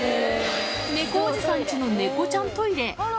猫おじさんちの猫ちゃんトイレ。